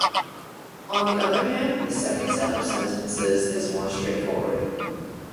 On the other hand, the second set of sentences is more straightforward.